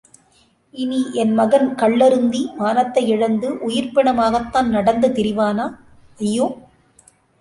இனி என் மகன் கள்ளருந்தி, மானத்தை இழந்து, உயிர்ப்பிணமாகத்தான் நடந்து திரிவானா? ஐயோ.